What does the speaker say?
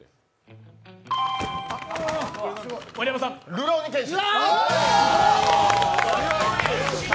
「るろうに剣心」。